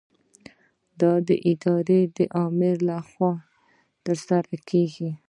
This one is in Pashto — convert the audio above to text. دا د ادارې د آمر له خوا ترسره کیږي.